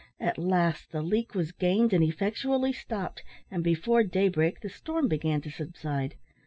At last the leak was gained and effectually stopped, and before daybreak the storm began to subside.